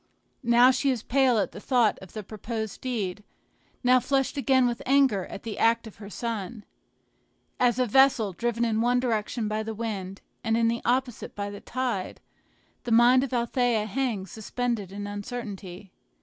Now she is pale at the thought of the proposed deed, now flushed again with anger at the act of her son. As a vessel, driven in one direction by the wind, and in the opposite by the tide, the mind of Althea hangs suspended in uncertainty.